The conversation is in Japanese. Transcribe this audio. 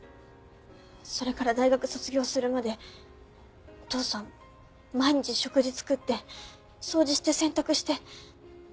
それから大学卒業するまでお父さん毎日食事作って掃除して洗濯して。